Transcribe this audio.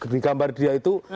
di gambar dia itu